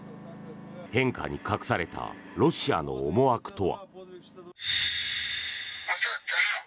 変化に隠されたロシアの思惑とは。